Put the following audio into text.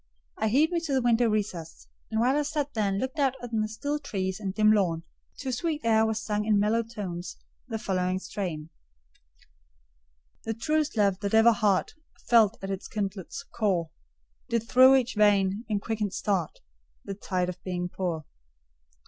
I hied me to the window recess. And while I sat there and looked out on the still trees and dim lawn, to a sweet air was sung in mellow tones the following strain:— "The truest love that ever heart Felt at its kindled core, Did through each vein, in quickened start, The tide of being pour.